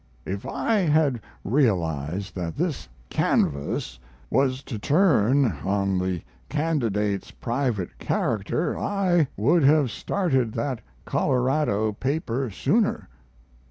If I had realized that this canvass was to turn on the candidate's private character I would have started that Colorado paper sooner.